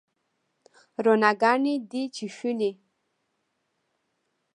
روڼاګاني دي چیښلې